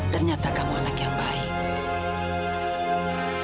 ternyata kamu anak yang baik